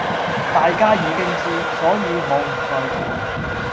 大家已經知,所以我唔再講